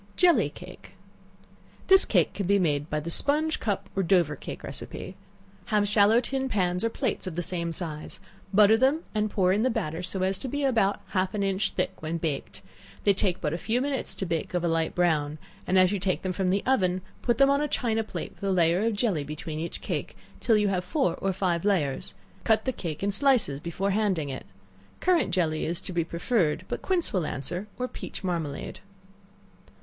Jelly Cake. This cake can be made by the sponge, cup, or Dover cake recipe; have shallow tin pans or plates of the same size, butter them, and pour in the batter so as to be about half an inch thick when baked; they take but a few minutes to bake of a light brown; and as you take them from the oven, put them on a china plate, with a layer of jelly between each cake, till you have four or five layers; cut the cake in slices before handing it. Currant jelly is to be preferred, but quince will answer, or peach marmalade.